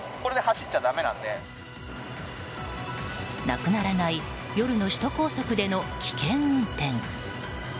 なくならない夜の首都高速での危険運転。